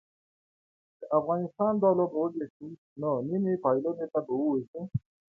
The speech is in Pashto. که افغانستان دا لوبه وګټي نو نیمې پایلوبې ته به ووځي